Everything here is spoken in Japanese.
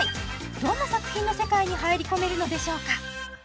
どんな作品の世界に入り込めるのでしょうか？